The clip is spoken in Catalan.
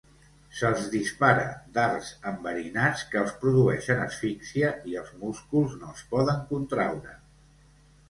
Se'ls dispara dards enverinats que els produeixen asfíxia i els músculs no es poden contraure.